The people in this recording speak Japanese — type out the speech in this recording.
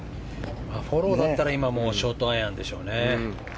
フォローだったら、今はショートアイアンでしょうね。